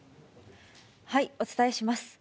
お伝えします。